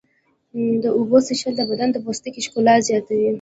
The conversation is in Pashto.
د اوبو څښل د بدن د پوستکي ښکلا زیاتوي.